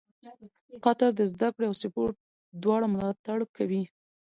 قطر د زده کړې او سپورټ دواړو ملاتړ کوي.